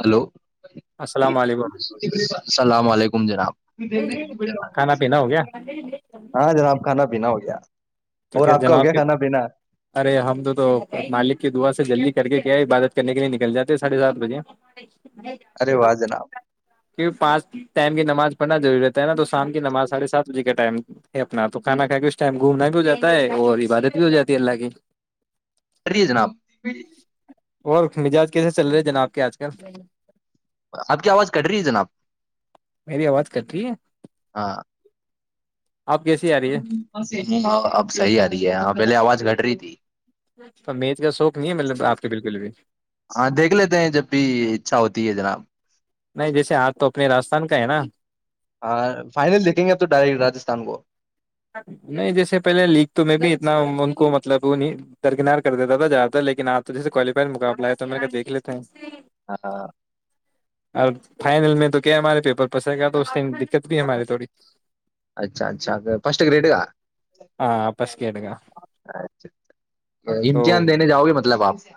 Hello السلام علیکم السلام علیکم جناب کھانا دیکنےنیہ پینا ہو گیا ہاں جناب کھانا پینا ہو گیا تو اور کیا آپ کا ہو جناب گیا کے کھانا پینا ارے ہم تو تو مالک کی دعا سے جلدی کر کے کیا عبادت کرنے کے لیے نکل جاتے ساڑھے سات بجے ارے واہ جناب کی پانچ ٹائم کی نماز پڑنا روری رہتا ہےا تو شام کی نمازاڑے سات بجے کا ٹائم ہے اپنا تو کھا کھا کے اس ٹائم گھومنا بھی ہو جاتا ہے اور عبادت بھی ہو جاتی ہے اللہگ ا ہے جناب اور مجاج کیسے چل رہے جناب کے آج کل آپ کی آواز کٹ رہی ہے جناب میری آواز کر رہی ہے آپ کیسی آ رہی ہے اں اب صحی آ رہی ہے ہ پہلے آواز گٹ رہی تھی جی ا میت کا شوق نہیں ہے مطلب آپ کے بالکل بھی ہاں دیکھ لیتے ہیں جب بھی اچھا ہوتی ہے جناب نہیں جیسے آج تو اپنے راجستھان کا ہے نا ہاں فائنل دیکھیں گے آ تو ڈائریکٹ راستھان کو نہیں جیسے پہلے لیگ تو میں بھی اتنا ان کو مطلب وہ درکنار کر دیتا تھا جیاد تھا لیکن آپ تو جیسے کوالیفائ مقابلہ ہے تو میرے دیکھ لیتے ہیں ہاں اور فائنل میں تو کیا ہمارے پیپر پسر گا تو کت بھی ہماری تھوڑی فسٹ گریٹ گ ہاں بس کیٹ کا اچ امتحان دینے جاؤ گے مطلب آپ ج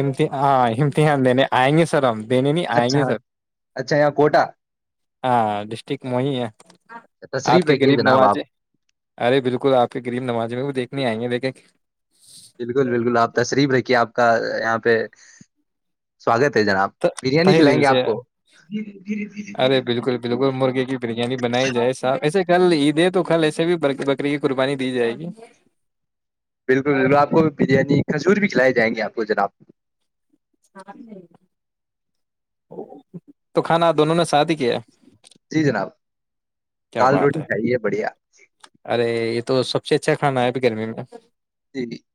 امتحان ہاں امتحان دینے آئیں گے سر ہم دینے نہیں آئیں اچھا گے سر اچھا یہاں کوٹا ہاں ڈسٹک موئییا آپ تشریف کے رکھیے غریب جناب آپ نمازے ارے بالکل آپ کے غریب نماز میں وہ دیکھ کتنی آئی ہے دیکھیں کہ بالکل بالکل آپ تصریف رکھیے آپ کا یہاں پہ سواگت ہے جناب تہ بریانی کھلائیں دل گے سے آپ کو ارے بالکل بالکل مرغے کی بریانی بنائی جائے سا ایسا کل عید ہے تو کل ایسے بھی بکری کی قربانی دی جائے گی بالکل بالکل آپ کو بریانی کھجور بھی کھلائی جائیں گے آپ کو جناب تو کھانا دونوں نے ساد کیایا جی جناب دال روٹی کھائیے بڑھیا پ اچھا کھانا ہے ابھی گرمی میں جیب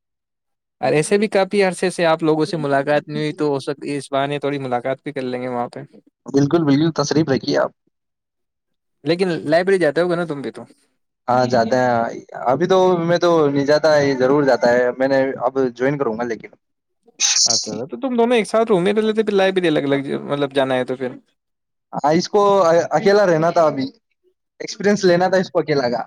اور ایسے بھی کافی عرصے آپ لگوں سے ملاقات نہیں ہوئی تو ہو سک اس بے تھوڑی ملاقات بھی کر لیں گے وہاں پہ بالکل بالکل تصریف رکھیے آپ لیکن لائبریری جاتا ہوگا نا تم بھی تو ہاں جاتے ہیںاں ابھی تو میں تو نہیں جاتا ہے ضرور جاتا ہے میں نے اب جوائن کروں گا لیکن اچھا تو تم دونوں ایک ساتھ رومے پہے تو پھر لائی بھی الگ الگ مطلب جانا ہے تو پھر ہاں اس کو اکیلا رہنا تھا ابھی ایکسپیرئنس لینا تھا اس کو اکیلا کا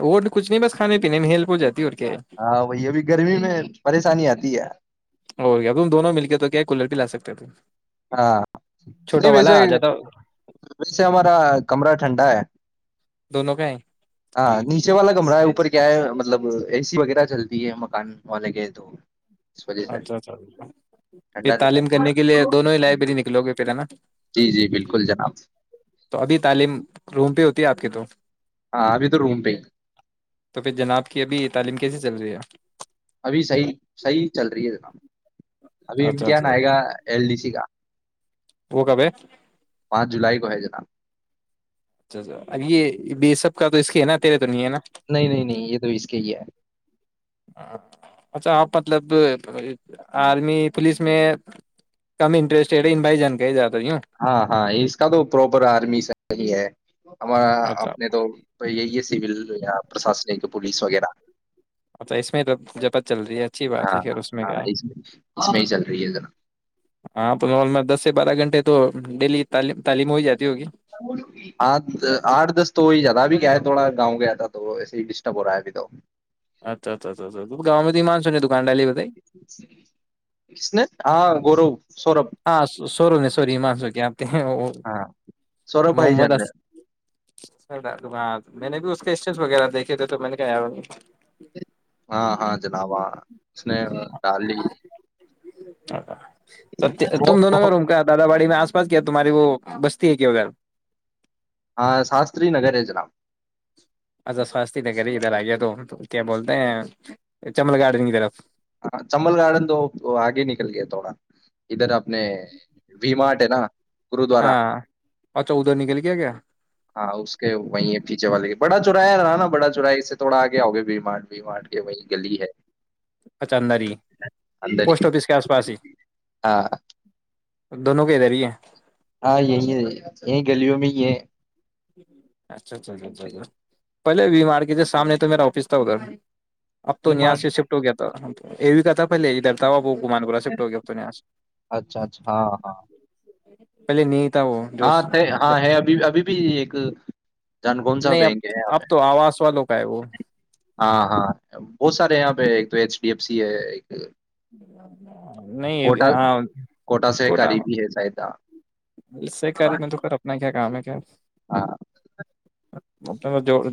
وہ تو کچھ نہیں بس کھانے پینے میں ہیلپ ہو جاتی اور کیا ہے ہاں وہی ابھی گرمی میں پریشانی آتی ہے اور کیا تم دونوں مل کے تو کیا کولر بھی لا ا دن ہاں چھوٹا نہیں ویسے والا جاتا ویسے ہمارا کمرہ ٹھنڈا ہے دونوں کا ہے ہاں نیچے والا کمرا ہے اوپر کیا ہے مطلب اے سی وغیرہ چلتی ہے مکان والے کے تو اس وجہ سے اچھا اچھا پھر ٹھنڈا رہتا تعلیم کرنے کے لیے ہے دونوں لائبریری نکلو گ پہل نا جی جی بالکل جناب تو ابھی تعلیم روم پہ ہوتی ہے آپ کے تو ہاں ابھی تو روم پہ ہی تو پھر جناب کی ابھی تعلیم کیسے چل رہی ہے ابھی صیح صحیح چل رہی ہے جناب ابھی اچھا امتحان اچھا آئے گا ایل ڈی سی کا وہ کب ج [unintelligible] اچھا اچا یہ سب کا تو اس کے نا تیرے تو نہیں ہے نا نہیں نہیں نہیں یہ تو اس کے ہی ہے اچھا آپ مطلب آرمی پولیس میں کم انٹرسٹڈ ان بھائی جان کے زیادہ یوں ہاں ہاں اس کا تو پراپر آرمی سحی ہے ہمار اچھا اپنے تو یہی س پرشاسنی پلیس وغیرہ اچھا اس میں جپت چل رہی ہے اچھی بات ہے ہاں پھر اس میں ہاں کیا ہے اس میں اس میں ہی چل رہی ہے ذرا ہاں تو ن میں دس سے بارہ گھنٹے تو ڈیلی تعم تعلیم ہو جاتی ہوگی آٹھ آٹھ دس تو ہوی زدہ ابھی کیا ہے تھوڑا گاؤں گیا تھا تو وہ ویسے ہی ڈسٹرب ہو رہا ہے ابھی تو اچھا اچھا اچھا تو گاں میں ہیی کس نے ہاں گورو سوربھ ہاں سوورو نہیں سووری منسو کیا آپتے ہیں ہاں سوربھ بھائی محمد جان نے میں نے بھی اس کے اسٹ وغیرہ دیکھے تھے تو میں نے کہ ہاں ہاں جناباں اس ڈالی تم دونوںگر مو- روم کا دادا باڑی میں آس پس کیا تمہاری وہ ب کیا ہوغ ہاں شاستری نگر ہے جلام اچھا سواستی نگر ہی ادھر آ گیا تو کیا بولتے ہیں چمل گارڈن کی طرف ہاں چمبل گارڈن تو آگے نکل گیا تھوڑا ادھر اپ نے وما ہے نا گرودوارا ہاں اچھا ادھر نکل گیا کیا ہاں اس کے وہیں ہے پیچھے والے کے بڑا چورایا ہے رہا نا بڑا چورایا اس سے تھوڑا آگے ہوؤگے بی مارٹ و مارٹ کے وہی گلی ہے اچاندر ہی اندر پوسٹ ہی آفس کے آس پاس ہی ہاں دونوں کے ادھر ہی ہیں ہاں یہی ہے یہیں گلیوں میں ہی ہے اچھا اچھا دہ پہلے وی مارکیٹ سے سامنے تو میرا آفس تھا ادھر اب تو وی یہاں مارٹ سے شفٹ ہو گیا تھا تو ا بھی کرتا پہلے درتاا بہ امان کوور شفٹ ہوگیات ن یہ اچھا اچھا ہاں ہاں پہلے نی ہاں ہاں ہے ابھی ابھی بھی ہاں نہیں اب اب تو آواز والو کا ہے وہ ہاں ہاں بہت سارے یہاں پہ ایک تو ایچ ڈی ایف سی ہے ایک نہیں کوٹا ہاں کوٹا سے قریبی ہے سایدہ سے کاری میں تو کر اپنا کیا کام ہے کیا ہاں، [inaudible]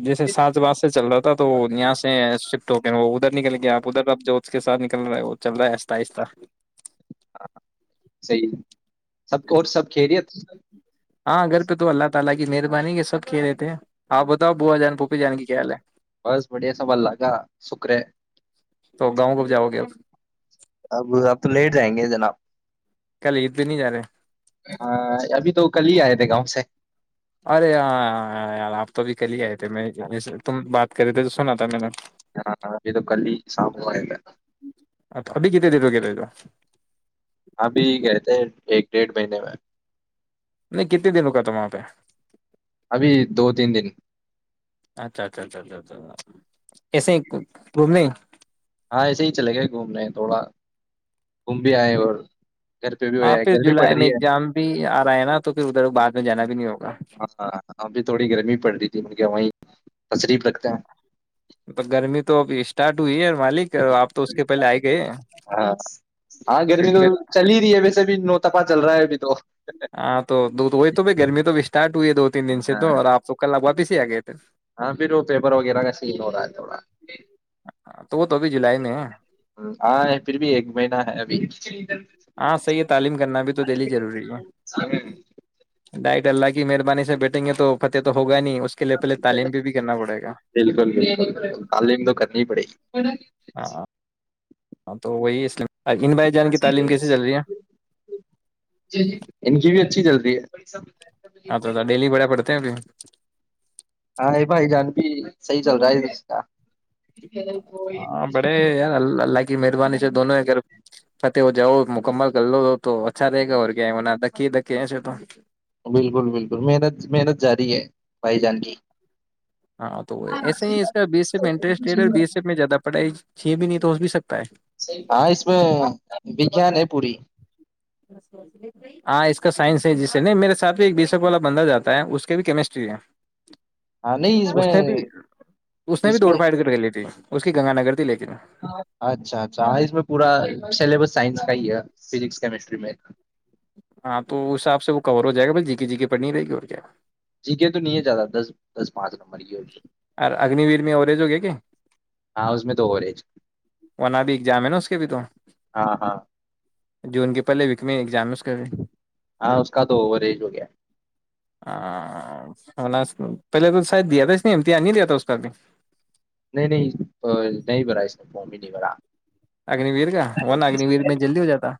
جیسے سات باز سے چل رہا تھا تو یہاں سے شفٹ ہو گئے وہ ادھر نکل گیا آپ ادھر اب جو اس کے ساتھ نکل رہا ہے وہ چل رہا ہے آہستہ آہستہ صحیح سب اور سب کھی رہی ہے [inaudible] ہاں گھر پہ تو اللہ تعالی کی مہربانی یہ سب کہہ رہے تھے آپ بتاؤ بو جان پھوپھی جان کی کیا حل ہے بس بڑھیا سب اللہ کا شکر ہے تو گاؤں کو بھی جاؤ گے اب آب تو لیٹ جائیں گے جناب کل عید پہ نہیں جا رہے ہ ابھی تو کل ہی آئے تھے گاؤں سے ارے ہاں آپ تو بھی کل ی آئی میں تم بات کرے تو سنا تھا میں ہاں ابھی تو کل ہی شام کو آئے تھے ا ابھی کتتے دی توو گ ت تو ابھی کہتے ہیں ایک ڈیڑھ مہینے میں نہیں کتنے دنوں کا تھا وہاں پہ ابھی دو تین دن اچھا اچھا اچھا اچھچ کیسے گھومنے ہاں ایسے ہی چلے گئے گھومنے تھوڑا گوم بھی آئے اور گھر پہ بھی ہاں ہویا پھر گرمی پڑ جولائی میں رہی ہے ایگزام بھی آ رہا ہے نا تو پھر ادھر بعد میں جانا بھی نہیں ہوگا ہاں ابھی تھوڑی گرمی پڑ رہی تھی کہ وہیں تشریف رکھتے ہیں تو گرمی تو اب تو یہ مالک آپ تو اس کے پہلے آئے گئے ہاں سے بھی نوتپا چل رہا ہے ابھی تو ہاں تو دودھ وہی تو ب گرمی تو بھی ٹ تین دن سے ہاں تو اور آپ کل آ بات ہی جی آگے یہ تو ہاں پھر وہ پیپر وغیرہ کا سین ہو رہا ہے تھوڑا تو وہ تو ابھی جولائی میں ہے آاں ہے پھر بھی ایک مہینہ ہے ابھی ہاں صحیح ہے تعلیم کرنا بھی تو دہلی ضروری ہے ڈائٹ ڈلہ کی مہربانی سے بیٹھیں گے تو فتح تو ہوگا نہیں اس کے لیے پہلے تعلیم پہ بھی کرنا پڑے گا بالکل بالکل تعلیم تو کرنی ہی پڑے گی ہاں ہاں تو وہی اس لیے ان بھائی جان کی تعلیم کیسے چل رہی ہے کی اچی جلدی ہے اچھ ڈیلی بڑھیا پڑتے ہیں ابھی صحی چل رہا ہے کا ہاں بڑے یار ال اللہ کی مہربانی سے دونوں گھر فات وہ جاؤ مکمل کر لو تو اچھا رہے گا اور کیا م دکی دکے ایسے تو بالکل بالکل محنت محنت جاری ہے پ جان گ ہاں تو ایسے ہی ہے اس کا بیس ایف انٹرسٹ ریڈ ہے بی ایس ایف میں زیادہ پڑے چ بھی نہیں تو ہو بھی سکتا ہے [unintelligible] ہاں اس میں وگان ہے پوری ہاں اس کا سائنس ہے جسے نہیں میرے ساتھ بھی ایک بیے شک والا بندہ جاتا ہے اس کے بھی کیمسٹری ہے ہاں نہیں اس میں نے بھی نے بھی اس میں دوڑ پھاڑ کر کے لی تھی اس کی گنگا نگر تھی لیکن اچھا اچھا ہ اس میں پورا سلیبس سائنس [unintelligible] ہے فزکس کیمسٹری میں ایک [unintelligible] ہاں تو اس حساب سے وہ کور ہو جائے گا بل جی کے جی کے پڑھنی رہے گی اور کیا جیگہ تو نہیں جاتتا دس دس پانچ نم مر گی ہو اور اگنی ویر میں اوریج ہو گئے کہ ہاں اس میں تو اووریج وہنا بھی ایگزام ہے نا اس کے بھی تو ہاں ہاں جون کے پہلے وکمی ایگزامس کر رہی ہاں اس کا تو اوور ایج ہو گیا ہاں پہلے تو شاید دیا تھا [unintelligible] نہیںتی آ نہیں د ہوتا اس کاد بھی [unintelligible] نہیں نہیں نہیں با اس بب دی بورا [unintelligible] اگنیویر کا ورنا اگنیویر میں جلدی ہو جاتا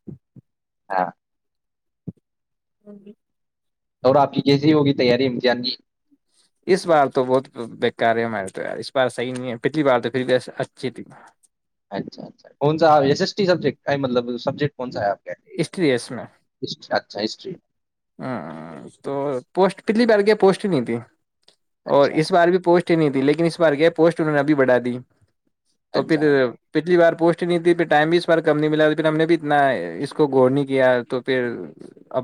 ہاں [unintelligible] ہاں [unintelligible] اور آپ کی کیسی ہوگی تیاری امتحان کی اس بار تو بہت بکار ہے ہمارے تو اس بار صحی نہیں ہے پچھلی بار تو پھر بھی اچھی تھی اچھا اچھا کون سا ایس ایس ٹی سبٹ کا مطلب سبجیکٹ کون سا ہے آپ کے ہسٹری ہ اچھا ہسٹری [unintelligible] ہ تو پوسٹ پچھلی بار گیا پوسٹ ہی نہیں تھی اور اچھا اس بار بھی پوسٹ نہیں تھی لیکن اس بار یہ پوسٹ انہوں نے ابھی بڑا دی [unintelligible] تو پ اچھا اچھا پچلی بار پچ نیتی پھر ٹائم بھی اس بار کم نہیں ملا پھر ہم نے بھی اتنا اس کو ور نہیں کیا تو پھر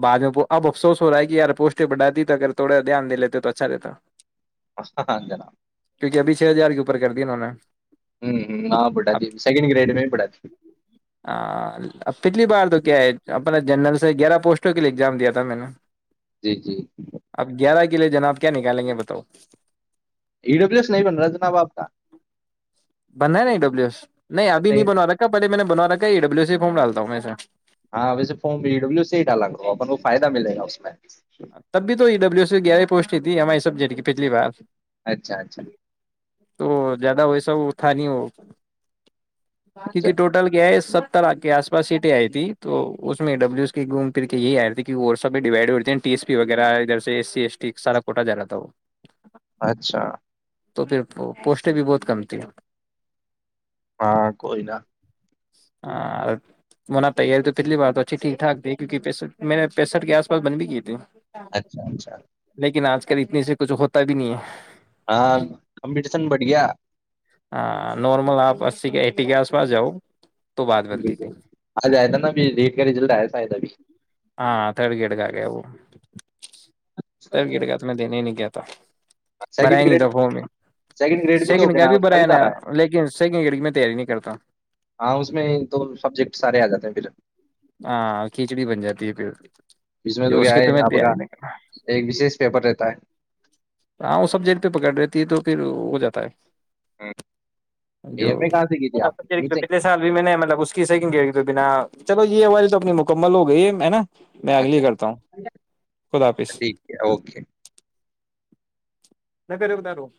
بعد میں [unintelligible] اب افسوس ہو رہا ہے کہ یار پوسٹ بٹات دیی تو اگر تھڑا دھیانے لیتے تو اچھا رہتا [unintelligible] پرستتا جلا [unintelligible] کیونکہ ابھی چھ ہزار کے اوپر کر دی انہوں نے [unintelligible] ہوں ہ ہاں اب پٹھاتی سیکنڈ گریڈ میں ہی پڑھاتی آ، اب پچھلی بار تو کیا ہے اپنا جنرل سے گیارہ پوسٹوں کے لیے ایگزام دیا تھا کتاام نے [unintelligible] جی جی [unintelligible] اب گیارہ کے لیے جناب کیا نکالیں گے بتاؤ [unintelligible] ای ڈبلو ایس نہیں بن رجنا باپ کا بنا ہے نہیں ڈبلو ایس نہیں ابھی اچھا نہیں بناو رکھا پہے میں نے بناو رکھا ڈبو سی فارم ڈالتا ہوں میں سے ہاں ویسے فم بی ڈبلو سے ہی ڈالا اپن کو فائدہ ملے گا اس میں تب بھی تو یہ ڈبلو سی گیہ پوٹ تھی ایم آئی س سب جیٹ کی پچھلی بار اچھا اچھا تو زیادہ ویسا وہ تھا نہیں ہو کیونکہ اچھا ٹوٹل کیا ہے سب کے آس پس سیٹییں آئی تھی تو اس میں ڈبلوس گھوم پھر کے یہ آ رہی تھی کہ وہ سب بھی ڈیوائڈ ہوی ٹی ایس پی وغیرہ ادھر سے ای سی ایس ٹی سارا کوٹا جا رہا تھا وہ اچھا تو پھر پوسٹیں بھی بہت کم تھیں ہاں کوئی ن ہاں وہنا تیاری تو پچھلی بار تو اچھی ٹھیک ٹھاک تھی کیک پسٹھ میں نے پینسٹھ کے آس پاس بن بھی کی تھی تو اچھا اچھا اتنے سے کچھ ہوتا بھی نہیں ہے ہاں ک ن بڑیا ہاں نارمل آپ اسی کے ایٹی کے آس پاس جاؤ تو بات بنتی بالکل تھی آ ج آیا تھا نا اب ریٹ کا رزلٹ آیا تھا آ تھا ابھی ہاں تھرڈ گڈ کا گیا سب گٹ گ تو میں دینے ہی نہیں گیا تھا ک سیکنڈ گڈ سیکنڈ گریڈ بھی دو سیکنڈ گے نا اس کا بھی بھرایا نا سارا ہے لیکن سیکنڈ گیڈ کی میں تیاری نہیں کرتا ہاں اس میں دو سبجیکٹ سارے آ جاتے ہیں پھر ہاں کھچڑی بن جاتی ہے پھر اسچ میں تو جو اس کیا کی ہے تمہیں آپ کا تیاری نہیں کرنا ایک وشیش پیپر رہتا ہے ہاں وہ سب جیل پہ پکڑ رہتی ہے تو پھر ہو جاتا ہے ہے جو یہ میں کہاں سے کی تھی آپ نے یہیں سے؟ پچھلے سال بھی میں نے مطلب اس کی صحی بنا چلو یہ ہووائ تو اپنی مکمل ہو گئی ہے ہے نا میں اگلی اچھا کرتا ہوں خدا اچھا، حافظ ٹھیک ہے اوکے ن کرے ب تاروں